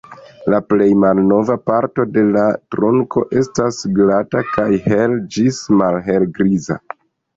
La plej malnova parto de la trunko estas glata kaj hel- ĝis malhelgriza.